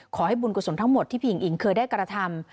ขอให้บุญกุศลทั้งหมดที่พี่หญิงอิ๋งเคยได้กระทำ